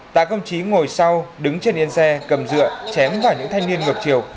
tạ công chí ngồi sau đứng trên yên xe cầm rượu chém vào những thanh niên ngược chiều